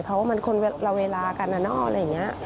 เพราะว่ามันคนละเวลากันนะเนาะอะไรอย่างนี้